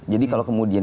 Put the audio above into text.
jadi kalau kemudian